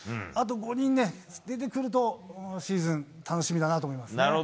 あと５人出てくるとシーズン楽しみだなと思います。